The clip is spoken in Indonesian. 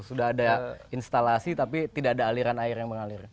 sudah ada instalasi tapi tidak ada aliran air yang mengalir